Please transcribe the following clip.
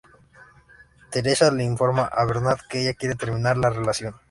Theresa le informa a Bernard que ella quiere terminar la relación.